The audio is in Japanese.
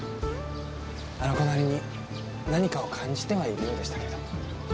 あの子なりに何かを感じてはいるようでしたけど。